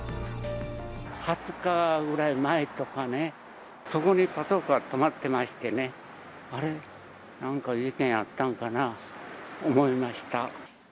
２０日ぐらい前とかね、そこにパトカー止まってましてね、あれ、なんか事件あったんかな、思いました。